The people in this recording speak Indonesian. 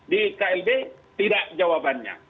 di klb tidak jawabannya